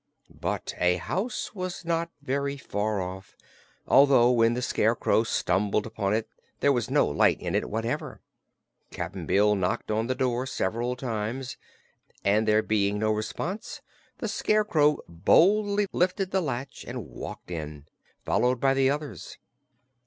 But a house was not very far off, although when the Scarecrow stumbled upon it there was no light in it whatever. Cap'n Bill knocked on the door several times, and there being no response the Scarecrow boldly lifted the latch and walked in, followed by the others.